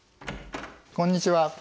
こんにちは。